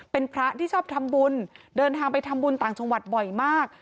เป็นพระที่ชอบทำบุญเดินทางไปทำบุญต่างจังหวัดบ่อยมาก